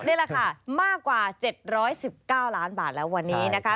นี่แหละค่ะมากกว่า๗๑๙ล้านบาทแล้ววันนี้นะคะ